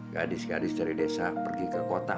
gadis gadis dari desa pergi ke kota